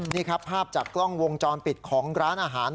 นี่ครับภาพจากกล้องวงจรปิดของร้านอาหาร